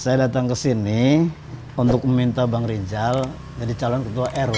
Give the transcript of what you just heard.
saya datang kesini untuk meminta bang rijal jadi calon ketua rw